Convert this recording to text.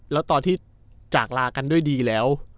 แล้วตอนที่จากลากันด้วยดีแล้ว